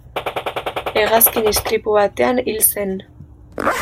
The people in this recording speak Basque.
Hegazkin istripu batean hil zen.